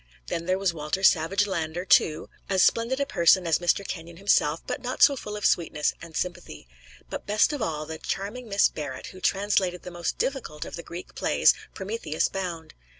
Then there was Walter Savage Landor, too, as splendid a person as Mr. Kenyon himself, but not so full of sweetness and sympathy. But best of all, the charming Miss Barrett, who translated the most difficult of the Greek plays, 'Prometheus Bound.'